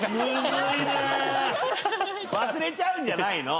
忘れちゃうんじゃないの。